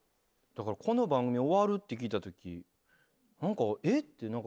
だからこの番組終わるって聞いたとき何かえっ？